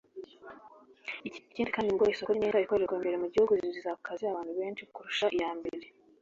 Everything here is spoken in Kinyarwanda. Ikindi kandi ngo isoko ry’imyenda ikorerwa imbere mu gihugu rizaha akazi abantu benshi kurusha iyambawe